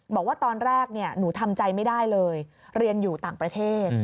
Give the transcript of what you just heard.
บอกว่าตอนแรกหนูทำใจไม่ได้เลยเรียนอยู่ต่างประเทศ